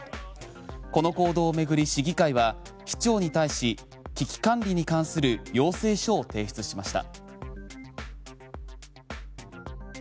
この行動を巡り市議会は市長に対し危機管理に関する要請書を提出しました。